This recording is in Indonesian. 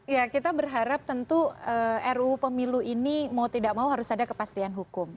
ya kita berharap tentu ruu pemilu ini mau tidak mau harus ada kepastian hukum